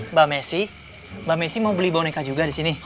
mbak messi mbak messi mau beli boneka juga di sini